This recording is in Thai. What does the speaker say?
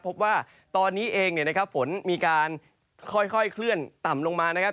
พบว่าตอนนี้เองเนี่ยนะครับฝนมีการค่อยเคลื่อนต่ำลงมานะครับ